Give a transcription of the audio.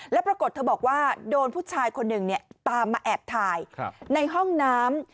แล้วปรากฏเธอบอกว่าโดนผู้ชายคนหนึ่งตามมาแอบถ่ายในห้องน้ำ